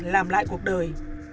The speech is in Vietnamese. làm lại cuộc đời